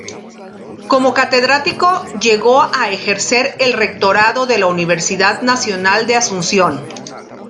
Como catedrático, llegó a ejercer el rectorado de la Universidad Nacional de Asunción.